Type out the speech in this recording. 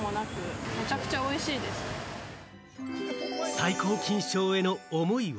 最高金賞への思いは。